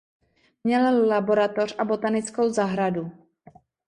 Měl laboratoř a botanickou zahradu.